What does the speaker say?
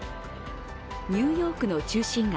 ニューヨークの中心街